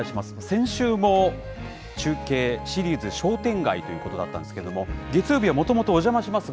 先週も中継、シリーズ、商店街ということだったんですけれども、月曜日はもともと、おじゃまします